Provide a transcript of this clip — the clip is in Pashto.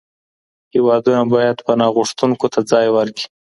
هیوادونه باید پناه غوښتونکو ته ځای ورکړي.